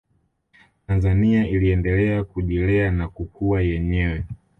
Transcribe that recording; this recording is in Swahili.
tanzania iliendelea kujilea na kukua yenyewe